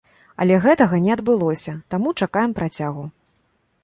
Але гэтага не адбылося, таму чакаем працягу.